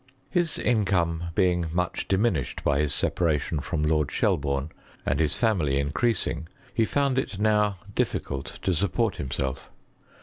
His income being much diminished by his sepa ration from Lord Shelburne, and his family increas ing, he found it now difficult to support himself.